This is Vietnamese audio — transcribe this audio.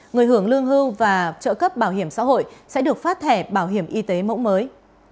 người hưởng lương hưu và trợ cấp bảo hiểm xã hội sẽ được phát thẻ bảo hiểm y tế mẫu mới